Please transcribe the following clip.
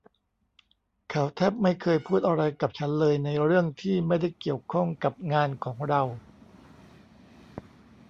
เขาแทบไม่เคยพูดอะไรกับฉันเลยในเรื่องที่ไม่ได้เกี่ยวข้องกับงานของเรา